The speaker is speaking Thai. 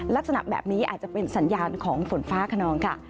ลักษณะแบบนี้อาจจะเป็นสัญญาณของฝนฟ้าขนองค่ะ